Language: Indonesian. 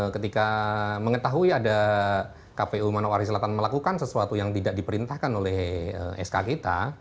ketika mengetahui ada kpu manowari selatan melakukan sesuatu yang tidak diperintahkan oleh sk kita